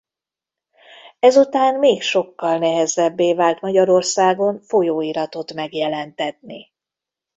Ez után még sokkal nehezebbé vált Magyarországon folyóiratot megjelentetni.